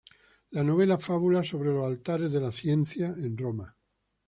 La novela fabula sobre los Altares de la ciencia, en Roma.